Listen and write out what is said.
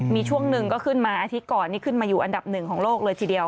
มีช่วงหนึ่งก็ขึ้นมาอาทิตย์ก่อนนี่ขึ้นมาอยู่อันดับหนึ่งของโลกเลยทีเดียว